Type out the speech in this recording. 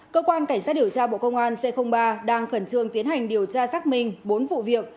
cơ quan cảnh sát điều tra bộ công an c ba đang khẩn trương tiến hành điều tra xác minh bốn vụ việc